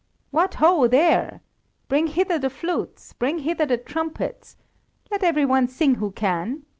"What ho, there! Bring hither the flutes, bring hither the trumpets. Let every one sing who can.